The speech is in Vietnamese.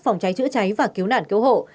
phòng cháy chữa cháy và cứu nạn cứu hộ